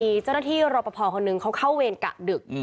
มีเจ้าหน้าที่รอปภคนหนึ่งเขาเข้าเวรกะดึก